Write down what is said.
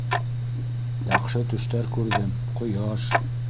- Яҡшы төштәр күрҙем, ҡояш.